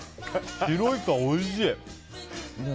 白イカ、おいしい。